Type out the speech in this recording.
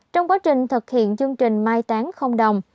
trong quá trình thực hiện chương trình mai tán không đồng